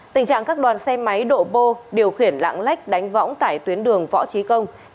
tình trạng các đoàn xe máy độ bô điều khiển lạng lách đánh võng tại tuyến đường võ trí công